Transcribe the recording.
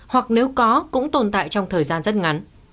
hoặc nếu có cũng tồn tại trong thời gian rất ngắn